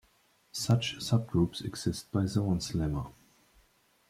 Such subgroups exist by Zorn's lemma.